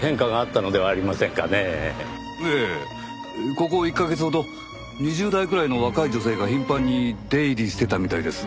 ここ１カ月ほど２０代くらいの若い女性が頻繁に出入りしてたみたいです。